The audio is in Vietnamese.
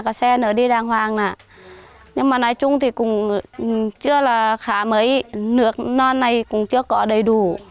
có xe nở đi đàng hoàng nè nhưng mà nói chung thì cũng chưa là khá mấy nước non này cũng chưa có đầy đủ